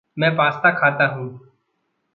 मैं पास्ता खाता हूँ।